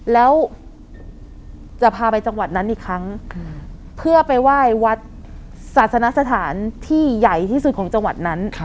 แล้วจะพาไปจังหวัดนั้นอีกครั้งเพื่อไปไหว้วัดศาสนสถานที่ใหญ่ที่สุดของจังหวัดนั้น